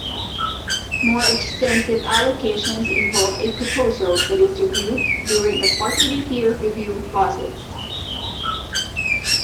More extensive allocations involve a proposal that is reviewed during a quarterly peer-review process.